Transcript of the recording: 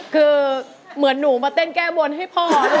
คือเหมือนหนูมาเต้นแก้บนให้พ่อ